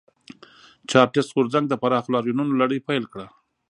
چارټېست غورځنګ د پراخو لاریونونو لړۍ پیل کړه.